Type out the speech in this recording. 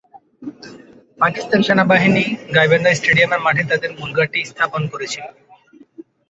পাকিস্তান সেনাবাহিনী গাইবান্ধা স্টেডিয়ামের মাঠে তাদের মূল ঘাঁটি স্থাপনের করেছিল।